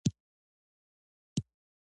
آیا رقابت کول ګران دي؟